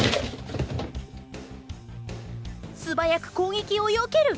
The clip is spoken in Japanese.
素早く攻撃をよける！